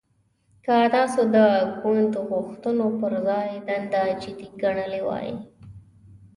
که تاسو د ګوند غوښتنو پر ځای دنده جدي ګڼلې وای